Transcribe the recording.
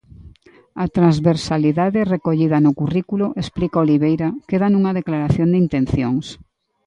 A 'transversalidade' recollida no currículo, explica Oliveira, "queda nunha declaración de intencións".